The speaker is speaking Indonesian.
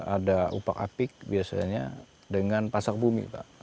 ada upak apik biasanya dengan pasak bumi pak